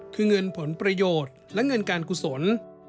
คือเงินผลประโยชน์และเงินการกุศล